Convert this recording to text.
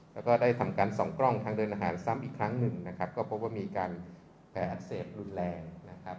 แล้วก็ได้ทำการส่องกล้องทางเดินอาหารซ้ำอีกครั้งหนึ่งนะครับก็พบว่ามีการแผลอักเสบรุนแรงนะครับ